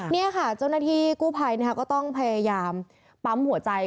นี่ค่ะเจ้าหน้าที่กู้ภัยก็ต้องพยายามปั๊มหัวใจ